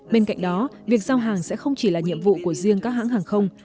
bên cạnh đó việc giao hàng sẽ không chỉ là nhiệm vụ của riêng các hãng hàng không